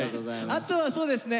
あとはそうですね